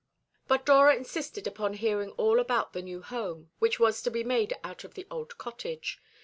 But Dora insisted upon hearing all about the new home which was to be made out of the old cottage.